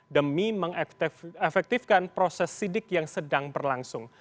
demi mengefektifkan proses sidik yang sedang berlangsung